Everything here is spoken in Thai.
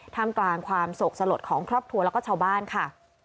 ทำกลางความโศกสลดของครอบครัวแล้วก็ชาวบ้านค่ะ